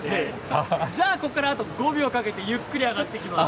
じゃあここからあと５秒かけてゆっくり上がっていきます。